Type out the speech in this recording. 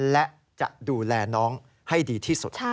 และจะดูแลน้องให้ดีที่สุด